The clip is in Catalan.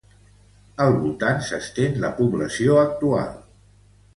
Al voltant s'estén la població actual.